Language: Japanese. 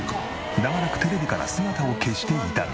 長らくテレビから姿を消していたが。